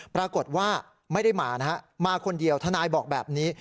ปรากฏว่าไม่ได้มานะฮะมาคนเดียวทนายบอกแบบนี้